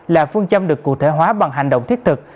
là phương châm được cụ thể hóa bằng hành động thiết thực